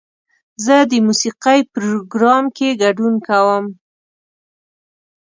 زه د موسیقۍ پروګرام کې ګډون کوم.